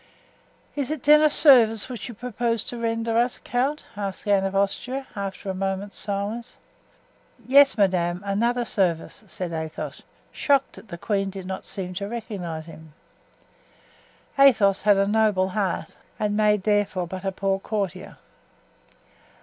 "It is then a service which you propose to render us, count?" asked Anne of Austria, after a moment's silence. "Yes, madame, another service," said Athos, shocked that the queen did not seem to recognize him. Athos had a noble heart, and made, therefore, but a poor courtier.